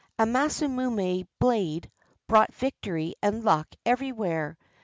A Masamune blade brought victory and luck everywhere.